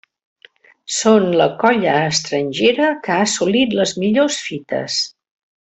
Són la colla estrangera que ha assolit les millors fites.